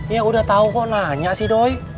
ya udah tahu kok nanya sih doy